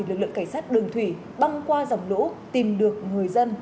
lực lượng cảnh sát đường thủy băng qua dòng lũ tìm được người dân